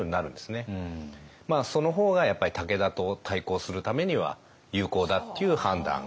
その方が武田と対抗するためには有効だっていう判断。